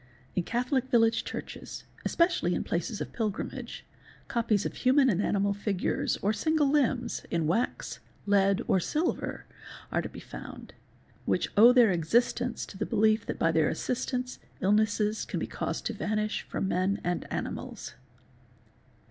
In Catholic village churches, especially in places of pilgrimage, copies of human and animal figures or single limbs in wax, lead, or silver, are to q be found, which owe their existence to the belief that by their assistance ; illnesses can be caused to vanish from men and animals.